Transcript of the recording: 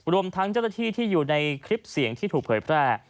รวมทั้งเจ้าหน้าที่ที่อยู่ในคลิปเสียงที่ถูกเผยแพร่